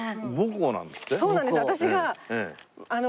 そうなんです私が。